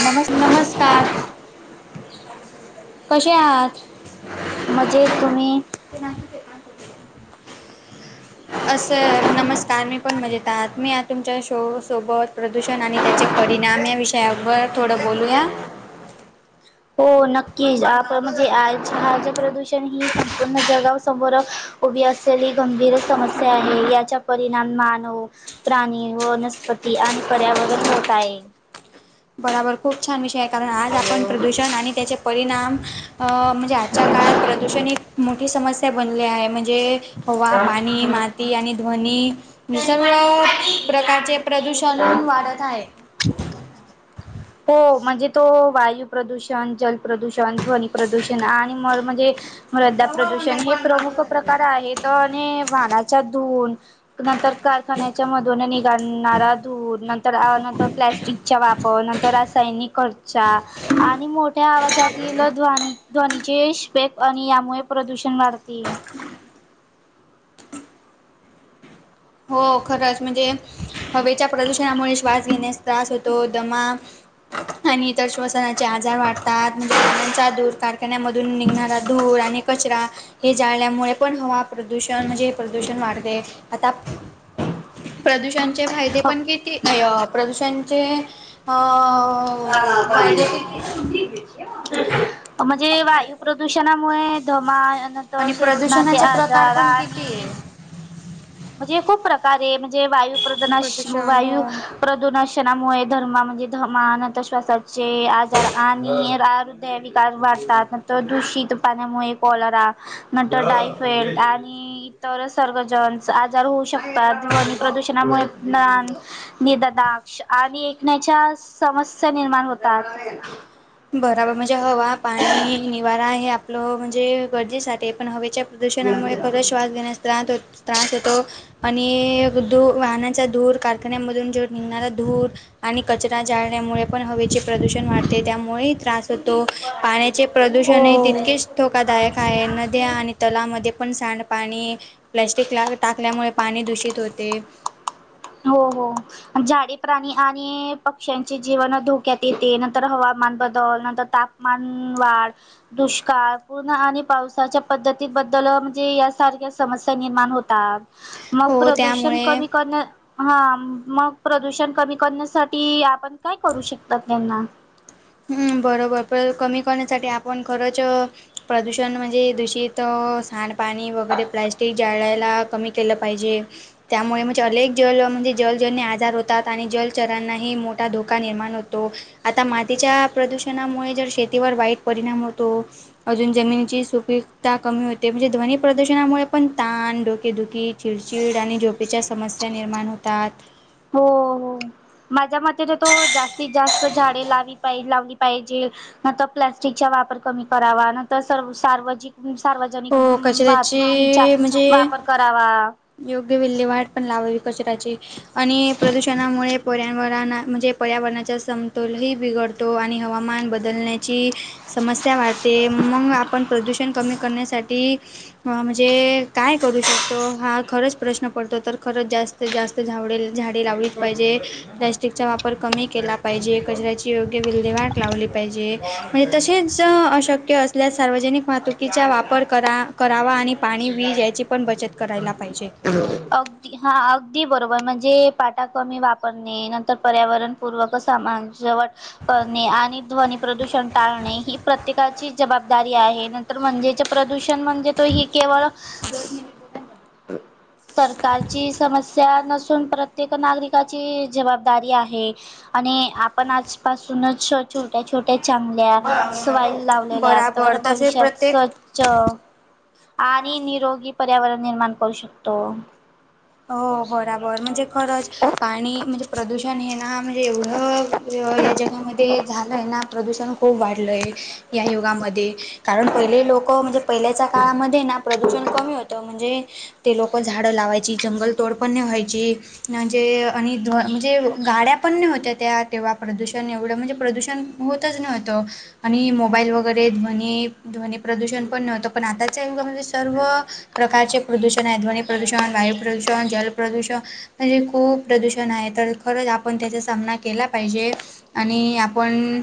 नमस् - नमस्कार कसे आहात म्हणजे तुम्ही. [unintelligible] असं नमस्कार मी पण म्हजेत आहात मी या तुमच्या शोसोबत. प्रदूषण आणि त्याचे परिणाम या विषयावर थोडं बोलूया. हो नक्कीच आपण म्हणजे आळाचे प्रदूषण ही संपूर्ण जगाव समोर. उभी असलेली गंभीर समस्या आहे याचा परिणाम मानव. प्राणी वनस्पती आणि पर्यावरण होत आहे. बराबर खूप छान विषय आहे कारण आज आपण प्रदूषण आणि त्याचे परिणाम. म्हणजे आजच्या काळात प्रदूषण एक मोठी समस्या बनले आहे म्हणजे. हवा पाणी माती आणि ध्वनी सर्व प्रकारचे प्रदूषण वाढत आहे. हो म्हणजे तो वायू प्रदूषण जलप्रदूषण ध्वनी प्रदूषण आणि म म्हणजे. मृधा प्रदूषण हे प्रमुख प्रकार आहेत आणि वानाचा धुून. नंतर कारखान्याच्या मधून निघालणारा धूर नंतर नंतर प्लॅस्टिकचा वापर. त रासायनिक खर्चा. आणि मोठ्या आवाजातीलील ध्वनी ध्वनीचे पेक आणि यामुळे प्रदूषण वाढते. हो खरंच म्हणजे हवेच्या प्रदूषणामुळे श्वास घेण्यास. त्रास होतो दमा आणि इतर श्वसनाचे आजार वाटतो. ज रानांचाधूर कारखान्यामधून निघणारा धूर आणि कचरा. हे जाळल्यामुळे पण हवा प्रदूषण म्हणजे हे प्रदूषण वाढत आहे आता. प्रदूषणचे फायदे पण किती प्रदूषणचे. अ फायदे किती म्हणजे वाय प्रदूषणामुळे दमा आणि श्वसनाचे प्रदूषणाचे प्रकार आजार पण किती आहे आणि- म्हणजे खूप प्रकारे म्हणजे वायुपदनाश प्रदूषण वायू हो प्रदुर्शनामुळे धर्म म्हणजे धर्मा अनंत श्वासाचे आजार आणि आ विकार वाढतात त दूषित पाण्यामुळे. कॉलरा नंतर टायफॉइड आणि इतरच सर्गजन. आजार होऊ शकतात वायू प्रदूषणामुळे निददाग. आणि ऐकण्याच्या समस्या निर्माण होतात. बराबर म्हणजे हवा पाणी निवारा हे आपलं म्हणजे गरजेसाठी पण हवेच्या. प्रदूषणामुळे खरच श्वास घेण्यास त्रास हो त्रास येतो. आणि धू वाहनांचा धूर कारखान्यामधून ज निघणारा धूर. आणि कचरा जाळण्यामुळे पण हवेचे प्रदूषण वाढते त्यामुळे. मुळेही त्रास होतो पाण्याचे प्रदूषणही हो. तितकेच. धोकादायक आहे नद्या आणि तलामध्ये पण सांडपाणी प्लॅस्टिकला टाकल्यामुळे. पाणी दूषित होते. हो हो. झाडे प्राणी आणि पक्ष्यांचे जीवन धोक्यात येते नंतर हवामान बदल नंतर ताप. मनवाळ. दुष्काळ पूर्ण आणि पावसाच्या पद्धतीबद्दल म्हणजे यासारख्या समस्या निर्माण होतात. मग हो प्रदूषण त्यामुळे कमी करण्यात. हा मग प्रदूषण कमी करण्यासाठी आपण काय करू शकतात त्यांना. बरोबर प कमी करण्यासाठी आपण खरंच. प्रदूषण म्हणजे दूषित सांडपाणी वगैरे प्लॅस्टिक जाळायला कमी. केलं पाहिजे. त्यामुळे म्हणजे अनेक जल म्हणजे जलजनने आजार होतात आणि जलचरांनाही मोठा धोका निर्माण होतो. आता मातीच्या प्रदूषणामुळे जर शेतीवर वाईट परिणाम होतो. अजून जमीिनीची सुपीकता कमी होते म्हणजे ध्वनी प्रदूषणामुळे पण ताण डोकेदुखी. चिडचिड आणि झोपेच्या समस्या निर्माण होतात. हो हो माझ्या मते तो जास्तीत जास्त झाडे लावी पाहिज लावली. पाहिजे नंतर प्लास्टिकचा वापर कमी करावा नंतर सर्व सार्वत्रिक सार्वजनिक हो वाहतुकीचा कचऱ्याची म्हणजे वापर करावा. योग्य विल्हेवाट पण लावावी कचऱ्याची आणि प्रदूषणामुळे पर्यावरणा म्हणजे. पर्यावरणाचा समतोलही बिघडतो आणि हवामान बदलण्याची. समस्या वाढते मग आपण प्रदूषण कमी करण्यासाठी. म्हणजे काय करू शकतो हा खरंच प्रश्न पडतो तर खरंच जास्त. तर जास्त झावडे झाडे लावलीच पाहिजे. प्लॅस्टिकचा वापर कमी केला पाहिजे कचऱ्याची योग्य विल्हेवाट लावली पाहिजे. म्हणजे तसेच अशक्य असल्या सार्वजनिक वाहतुकीचा वापर. करावा आणि पाणी वीज याची पण बचत करायला पाहिजे. अग [unintelligible] हा अगदी बरोबर म्हणजे पाटा कमी वापरणे नंतर पर्यावरणपूर्वक समाज वाट करणे आणि ध्वनी प्रदूषण टाळणे ही प्रत्येकाची जबाबदारी आहे. तर म्हणजेच प्रदूषण म्हणजे तो ही केवळ. कारची समस्या नसून प्रत्येक नागरिकाची जबाबदारी आहे. आणि आपण आजपासून. छोट्या छोट्या चांगल्या स्वाईल लावलेल्या तर बराबर तसे भविष्यात प्रत्येक च आणि निरोगी पर्यावरण निर्माण करू शकतो. हो बरोबर म्हणजे खरंच पाणी म्हणजे. प्रदूषण हे ना म्हणजे एवढं या जग. युगमध्ये झालंय ना प्रदूषण खूप वाढलंय या युगामध्ये. कारण पहिले लोक म्हणजे पहिल्याच्या काळामध्ये ना प्रदूषण कमी होतं म्हणजे. ते लोक झाडं लावायची जंगल तोड पण व्हायची. म्हणजे आणि म्हणजे गाड्या पण नाही होत्या त्या तेव्हा प्रदूषण एवढं म्हणजे प्रदूषण. होतच नव्हतो. आणि मोबाईल वगैरे ध्वनी ध्वनी प्रदूषण पण नव्हतं पण आताच्या युगामध्ये सर्व. प्रकारचे प्रदूषण आहे ध्वनी प्रदूषण वायू प्रदूषण जल प्रदूषण. म्हणजे खूप प्रदूषण आहे तर खरंच आपण त्याचा सामना केला पाहिजे. आणि आपण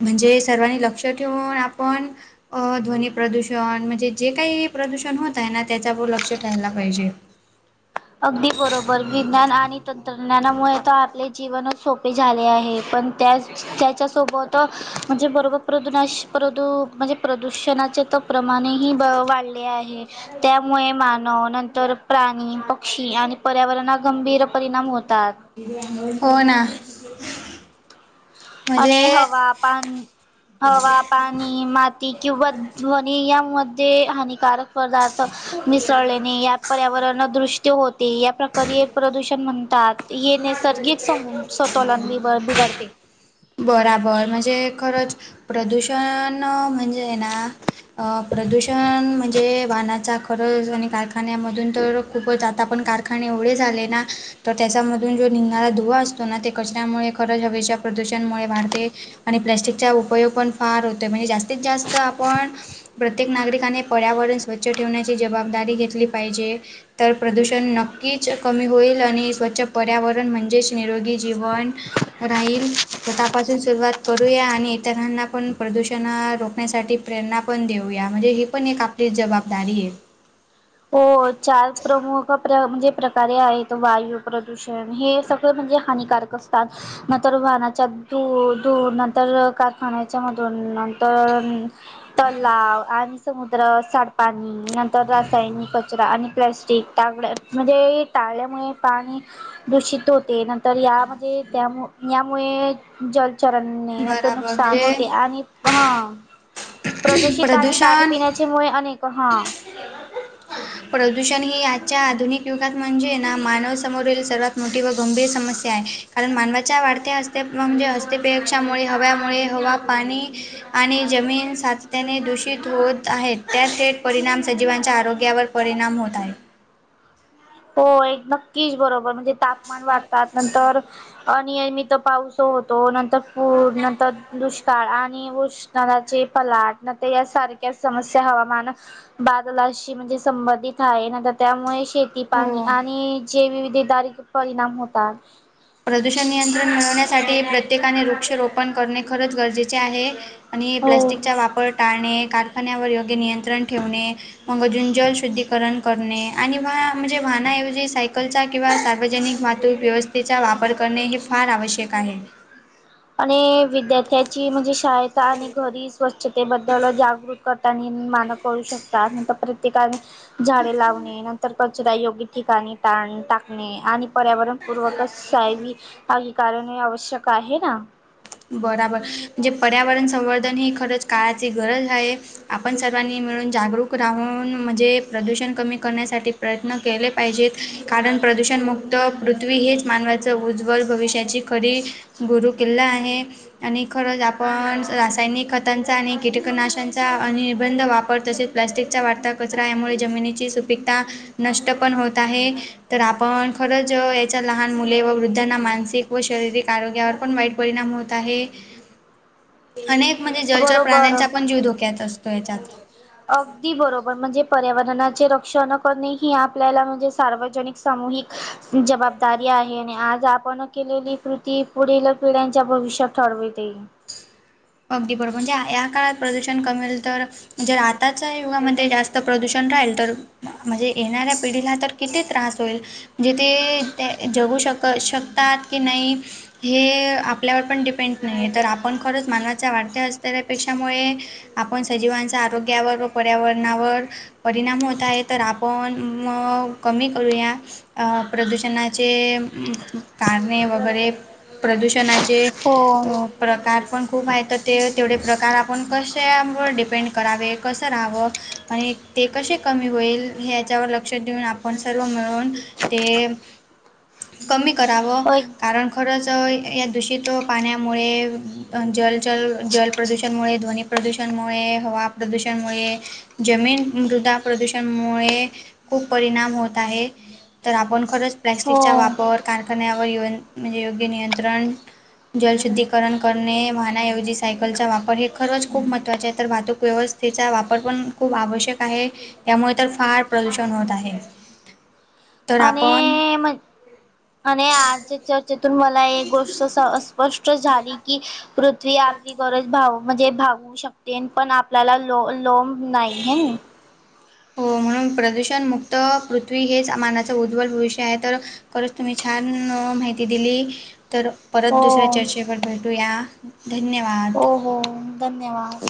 म्हणजे सर्वांनी लक्ष ठेवून आपण. ध्वनी प्रदूषण म्हणजे जे काही प्रदूषण होत आहे ना त्याच्यावर लक्ष ठेवायला पाहिजे. अगदी बरोबर विज्ञान आणि तंत्रज्ञानामुळे तर आपले. जीवनच सोपे झाले आहे पण त्याच त्याच्यासोबत म्हणजे बरोबर. प्रदूनाश प्रदू म्हणजे प्रदूषणाचे तर प्रमाणेही वाढले आहे. त्यामुळे मानव नंतर प्राणी. पर्यावरणाात गंभीर परिणाम होतात. होना. आणि हवा पाणी हव. पाणी माती किंवा ध्वनी यामध्ये हानिकारक. पदार्थ मिसळलेने या पर्यावरण दृष्ट्य होते या प्रकारे प्रदूषण होते. हे नैसर्गिक समतोल बिघडते. बरोबर म्हणजे खरंच प्रदूषण म्हणजे प्रदूषण म्हणजे वाहनाचा खरच आणि कारखान्यामधून तर खूपच आाता पण कारखाने एवढे झाले ना तर त्याच्यामधून जो निघणारा धुवा असतो ना ते कचऱ्यामुळे खरंच हवेच्या प्रदूषणमुळे वाढते आणि प्लॅस्टिकचा उपयोग पण फार होतोय म्हणजे जास्तीत जास्त आपण प्रत्येक नागरिकाने पर्यावरण स्वच्छ ठेवण्याची जबाबदारी घेतली पाजे तर प्रदूषण नक्च कमी होईल आणि स्वच पर्यावरण म्हणजे निरोगी जीवन राहील स्वतःपासून सुरुवात कर करूया आणि इतरांना पण प्रदूषण रोखण्यासाठी प्रेरणा पण देऊया म्हणजे ही पण एक आपलीच जबाबदारी दर एक हो चार प्रमुख म्हणजे प्रकारे आहेत वायू प्रदूषण पण हे सगळं म्हणजे हानिकारक असतात नंतर वाहनाच्या धूर नंतर कारखान्याच्या मधून नंतर तलाव आणि समुद्र साडपाणी नंतर रासायनिक कचरा आणि प्लॅस्टिक दगड म्हणजे टाळल्यामुळे पाणी दूषित होते नंत तर यामध्येणजे त्यामु यामुळे जलचरणने न तर बराबर नुकसान म्हणजे होते आणि हा प्रदूषित आणि पाणी प्रदूषण पिण्याच्या मु अनेक हा प्रदूषण ही आजच्या आधुनिक युगात म्हणजे ना मानवसमोरील सर्वात मोठी व गंभीर समस्या आहे कारण मानवाच्या वाढत्या हस्ते्या म्हणजे हस्तेपेक्षामुळे हव्यामुळे हवा पाणी आणि जमीनसाठी ने दूषित होत आहेत त्यात थेट परिणाम सजीवांच्या आरोग्यावर परिणाम होत आहे हो एक नक्कीच बरोबर म्हणजे तापमान वाढतात नंतर आणि मी तर पाऊस होतो नंतर पूरणंतर दुष्काळ आणि उष् त् नदाचे पलाट न ते या सारख्या समस्या हवामान बादलाशी म्हणजे संबंधित आहे ना तर त्यामुळे श पाणी हो आणि जे विविध दारी परिणाम होतात प्रदूषण नियंत्रण मिळवण्यासाठी प्रत्येकाने वृक्ष रोपण करणे खरंच गरजेचे आहे आणि हो प्लास्टिकचा वापर टाळणे कारखान्यावर योग्य नियंत्रण ठेवणे मग जुं जल शुद्धीकरण करणे आणि वा म्हणजे वाहनाऐवजी सायकलचा किंवा सार्वजनिक माध्य व्यवस्थेचा वापर करणे हे फार आवश्यक आहे आणि विद्यार्थ्याची म्हणजे शायता आणि घरी स्वच्छतेबद्दल जागृत कर मानं करू शकतात नंतर प्रत्येकाने झाडे लावणे नंतर कचरा योग्य ठिकाणी घाण टाकणे आणि पर्यावरणपूर्वकच यब कारण आवश्यक आहे ना बराबर म्हणजे पर्यावरण संवर्धन ही खरंच काळाची गरज आहे आपण सर्वांनी मिळून जागरूक राहून म्हणजे प्रदूषण कमी करण्यासाठी प्रयत्न केले पाहिजेत कारण प्रदूषणमुक्त पृथ्वी हेच मानवाचं उज्ज्वल भविष्याची खरी गुरुकिल्ला आहे आणि खरंच आपण रासायनिक खतांचा आणि कीटकनाशांचा निर्बंध वापर तसेच प्लस्टिकचा वाढता कचरा यामुळे जमिनीची सुपीिकता नष्ट पण होत आहे तर आपण खरंच याच्या लहान मुले व वृद्धांना मानसिक व शारीरिक आरोग्यावर पण वाईट परिणाम होत अनेक म्हणजे जलचर बरोबर प्राण्यांचा पण जीव धोक्यात असतो याच्यात अगदी बरोबर म्हणजे पर्यावरणाचे रक्षण करणे ह आपल्याला म्हणजे सार्वजनिक सामूहिक जबाबदारी आहे आणि आज आपण केलेली कृती पुढील पिढ्यांच्या भविष्यात ठरविते. अगदी बरोबर, म्हणजे या काळात प्रदूषण कमी केल तर म्हणजे जर आताच्या युगामध्ये जास्त प्रदूषण राहील तर म्हणजे येणाऱ्या पिढीला तर किती त्रास होईल? म्हणजे ते जगू शक- शकतात की नाही? हे आपल्यावर पण डिपेंड नाही आहे, तर आपण खरंच मानात चा वाढत्या असतेल्या पेक्षामुळे आपण सजीवांच्या आरोग्यावर व पर्यावरणावर परिणाम होत आहे, तर आपण मग कमी करूया प्रदूषणाचे कारणे वगैरे, प्रदूषणाचे हो अ प्रकार पण खूप आहेत. तर ते तेवढे प्रकार आपण कशावर, डिपेंड करावे, कसं राहावं. आणि ते कसे कमी होईल, याच्यावर लक्ष देऊन आपण सर्व मिळून ते कमी करावं, कारण खरंच या दूषित व पाण्यामुळे, जल जल, जल प्रदूषणमुळे, ध्वनी प्रदूषणमुळे, हवा प्रदूषणमुळे जमीन मृदा प्रदूषणमुळे खूप परिणाम होत आहे. तर आपण खरंच प्लॅस्टिकचा हो वापर कारखान्यावर योग म्हणजे योग्य नियंत्रण, जलशुद्धीकरण करणे, वाहने ऐवजी सायकलचा वापर हे खरंच खूप महत्वाचे आहे, तर वाहतूक व्यवस्थेचा वापर पण खूप आवश्यक आहे. त्यामुळे तर फार प्रदूषण होत आहे. तर आपण आणि म आणि आज चर्चेतून मला एक गोष्ट स्पष्ट झाली की, तरी आपली गरज भागु म्हणजे भागु शकते पण, आपल्याला लो लोब नाही आहे‌ हो म्हणून प्रदूषणमुक्त पृथ्वी हेच आ मानवाचं उज्वल भविष्य आहे तर, खरच, तुम्ही छान माहिती दिली तर, परत हो दुसऱ्या चर्चेवर भेटूया, धन्यवाद. हो हो, धन्यवाद.